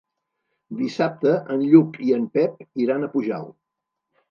Dissabte en Lluc i en Pep iran a Pujalt.